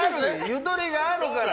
ゆとりがあるから！